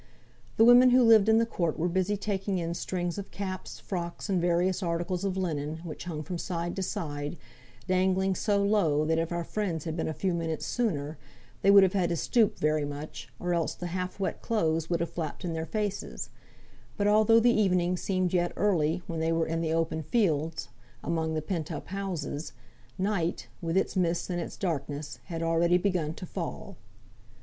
The women who lived in the court were busy taking in strings of caps, frocks, and various articles of linen, which hung from side to side, dangling so low, that if our friends had been a few minutes sooner, they would have had to stoop very much, or else the half wet clothes would have flapped in their faces; but although the evening seemed yet early when they were in the open fields among the pent up houses, night, with its mists, and its darkness, had already begun to fall.